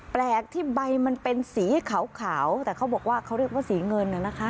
แปลกที่ใบมันเป็นสีขาวแต่เขาบอกว่าเขาเรียกว่าสีเงินน่ะนะคะ